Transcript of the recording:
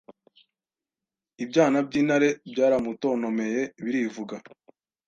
Ibyana by’intare byaramutontomeye birivuga,